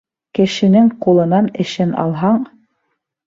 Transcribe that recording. Кешенең ҡулынан эшен алһаң